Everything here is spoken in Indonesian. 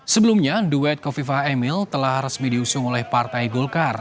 sebelumnya duet kofifah emil telah resmi diusung oleh partai golkar